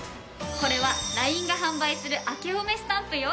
これはＬＩＮＥが販売するあけおめスタンプよ！